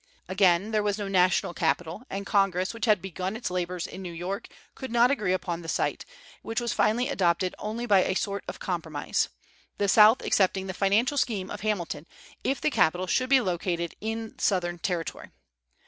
Again, there was no national capital, and Congress, which had begun its labors in New York, could not agree upon the site, which was finally adopted only by a sort of compromise, the South accepting the financial scheme of Hamilton if the capital should be located in Southern territory.